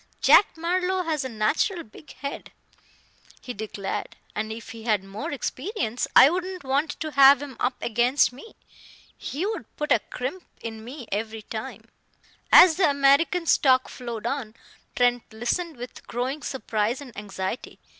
"Jack Marlowe has a natural big head," he declared, "and if he had more experience, I wouldn't want to have him up against me. He would put a crimp in me every time." As the American's talk flowed on, Trent listened with growing surprise and anxiety.